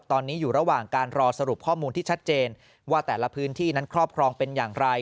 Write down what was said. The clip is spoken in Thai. ตอนนี้อยู่ระหว่างการรอสรุปข้อมูลที่ชัดเจนว่าแต่ละพื้นที่นั้นครอบครองเป็นอย่างไร